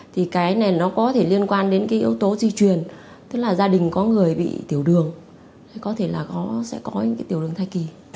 thì cái này nó có thể liên quan đến cái yếu tố di truyền tức là gia đình có người bị tiểu đường có thể là sẽ có những cái tiểu đường thai kỳ